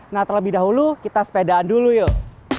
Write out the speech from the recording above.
nah terlebih dahulu kita sepedaan dulu yuk